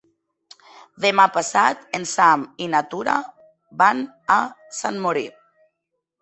Demà passat en Sam i na Tura van a Sant Mori.